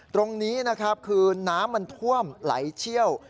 ตรงนี้นะครับคือน้ำมันท่วมไหลเชี่ยว